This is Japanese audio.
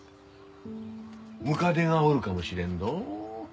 ムカデがおるかもしれんぞ。